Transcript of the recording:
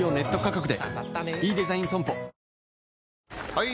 ・はい！